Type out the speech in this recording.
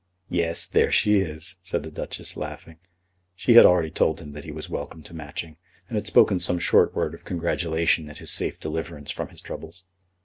"Yes, there she is," said the Duchess, laughing. She had already told him that he was welcome to Matching, and had spoken some short word of congratulation at his safe deliverance from his troubles.